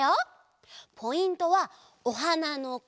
ポイントはおはなのここ！